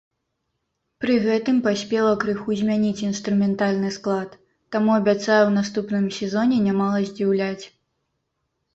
Пры гэтым паспела крыху змяніць інструментальны склад, таму абяцае ў наступным сезоне нямала здзіўляць.